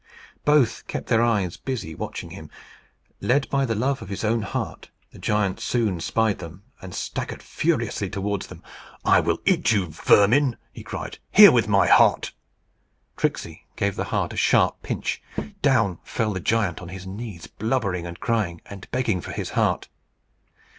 Both kept their eyes busy watching him. Led by the love of his own heart, the giant soon spied them, and staggered furiously towards them. "I will eat you, you vermin!" he cried. "Here with my heart!" Tricksey gave the heart a sharp pinch. Down fell the giant on his knees, blubbering, and crying, and begging for his heart.